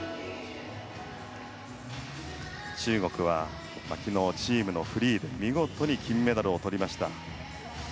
中国は昨日チームのフリーで見事金メダルをとりました。